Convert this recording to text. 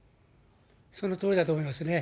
そのとおりだと思いますね。